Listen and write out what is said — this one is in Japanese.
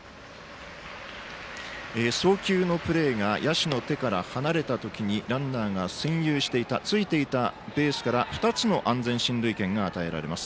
送球のプレーが野手の手から離れたときにランナーが占有していたついていたベースから２つの安全進塁権が与えられます。